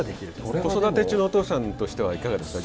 これ子育て中のお父さんとしてはいかがですか？